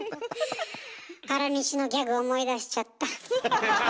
原西のギャグ思い出しちゃった。